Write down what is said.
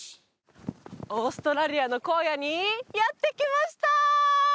オーストラリアの荒野にやって来ました！